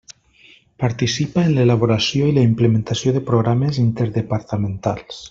Participa en l'elaboració i la implementació de programes interdepartamentals.